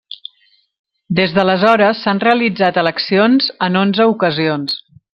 Des d'aleshores s'han realitzat eleccions en onze ocasions.